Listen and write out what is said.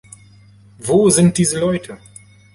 Wo sind diese Leute?